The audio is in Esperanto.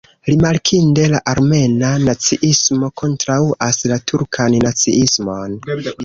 Rimarkinde, la armena naciismo kontraŭas la turkan naciismon.